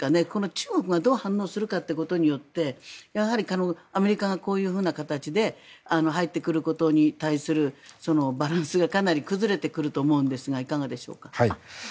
中国がどう反応するかでやはり、アメリカがこういう形で入ってくることに対するバランスがかなり崩れてくると思うんですがいかがでしょうか。